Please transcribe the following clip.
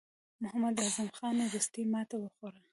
محمد اعظم خان وروستۍ ماته وخوړه.